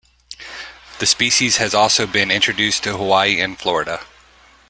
The species has also been introduced to Hawaii and Florida.